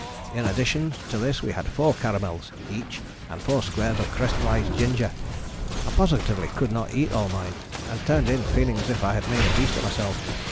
In addition to this we had four caramels each and four squares of crystallized ginger. I positively could not eat all mine, and turned in feeling as if I had made a beast of myself.